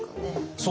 そう！